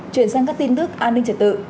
chuyển sang các tin tức an ninh trật tự